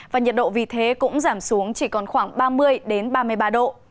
và nhiệt độ vì thế cũng giảm xuống chỉ còn khoảng ba mươi ba mươi ba độ